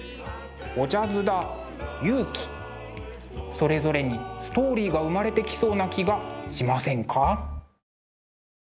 それぞれにストーリーが生まれてきそうな気がしませんか？